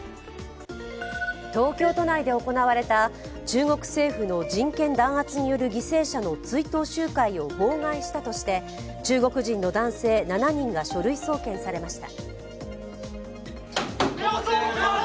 東京都内で行われ中国政府の人権弾圧による犠牲者の追悼集会を妨害したとして中国人の男性７人が書類送検されました。